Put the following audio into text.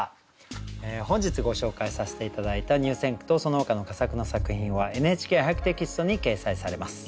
本日ご紹介させて頂いた入選句とそのほかの佳作の作品は「ＮＨＫ俳句」テキストに掲載されます。